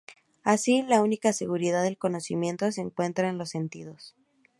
Así, la única seguridad del conocimiento se encuentra en los sentidos.